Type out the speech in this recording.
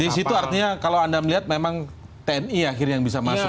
di situ artinya kalau anda melihat memang tni akhirnya yang bisa masuk